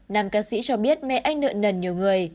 nam ca sĩ cho biết mẹ anh nợ nần nhiều người